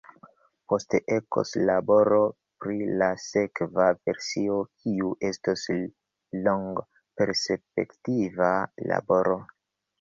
Poste ekos laboro pri la sekva versio, kiu estos longperspektiva laboro.